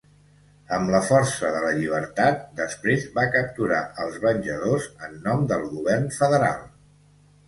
Amb la força de la llibertat, després va capturar als venjadors en nom del govern federal.